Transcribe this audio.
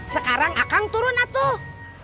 sekarang akang turun atuh